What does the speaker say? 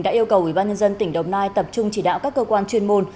đã yêu cầu ủy ban nhân dân tỉnh đồng nai tập trung chỉ đạo các cơ quan chuyên môn